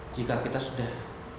jika kita sudah